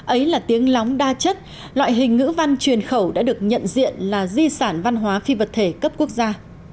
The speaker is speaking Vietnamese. ấy là tiếng lóng đa chất loại hình ngữ văn truyền khẩu đã được nhận diện là di sản văn hóa phi vật thể cấp quốc gia